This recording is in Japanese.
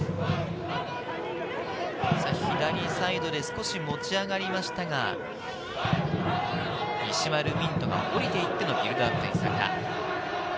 左サイドで少し持ち上がりましたが、西丸道人がおりて行ってのビルドアップに参加。